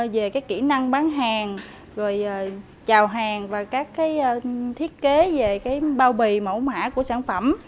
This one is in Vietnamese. về kỹ năng bán hàng rồi chào hàng và các thiết kế về bao bì mẫu mã của sản phẩm